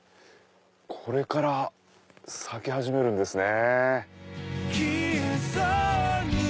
これから咲き始めるんですね。